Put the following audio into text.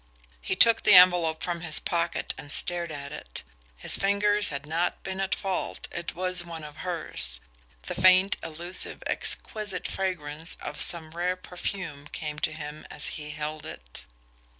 He took the envelope from his pocket and stared at it. His fingers had not been at fault it was one of hers. The faint, elusive, exquisite fragrance of some rare perfume came to him as he held it.